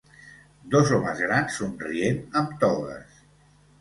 Dos homes grans somrient amb togues.